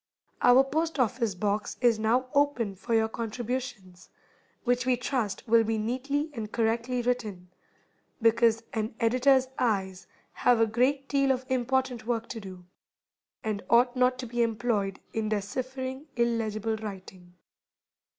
Our Post office Box is now open for your contributions, which we trust will be neatly and correctly written, because an editor's eyes have a great deal of important work to do, and ought not to be employed in deciphering illegible writing.